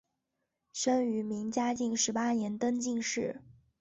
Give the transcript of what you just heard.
生于明嘉靖十八年登进士。